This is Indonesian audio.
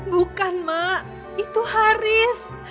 bukan ma itu haris